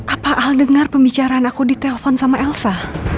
apa al dengar pembicaraan aku ditelepon sama elsa